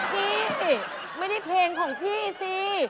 พี่ไม่ได้เพลงของพี่สิ